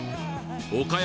岡山